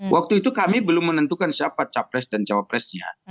waktu itu kami belum menentukan siapa capres dan cawapresnya